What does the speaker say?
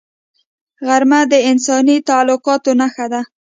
غرمه د انساني تعلقاتو نښانه ده